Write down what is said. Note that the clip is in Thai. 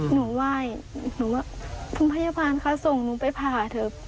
หนูไหว้หนูว่าคุณพยาบาลค่ะส่งหนูไปผ่าเถอะ